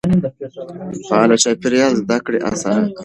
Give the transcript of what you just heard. فعال چاپېريال زده کړه اسانوي.